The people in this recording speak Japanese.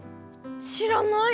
知らない。